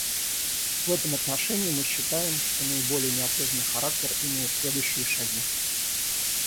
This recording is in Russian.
В этом отношении мы считаем, что наиболее неотложный характер имеют следующие шаги.